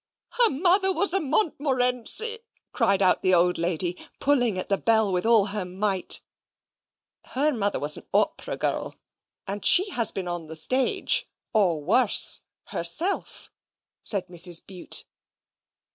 "Her mother was a Montmorency," cried out the old lady, pulling at the bell with all her might. "Her mother was an opera girl, and she has been on the stage or worse herself," said Mrs. Bute.